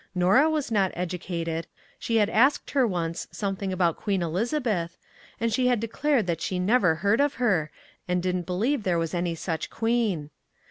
Norah was not educated ; she had asked her, once, something about Queen Elizabeth, and she had declared that she never heard of her, and didn't believe there was any such queen.